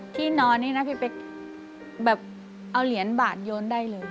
ที่นอนนี้นะพี่เป๊กแบบเอาเหรียญบาทโยนได้เลย